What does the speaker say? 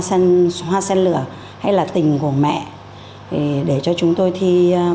xanh hoa sen lửa hay là tình của mẹ để cho chúng tôi thi